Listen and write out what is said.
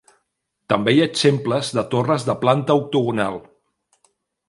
També hi ha exemples de torres de planta octogonal.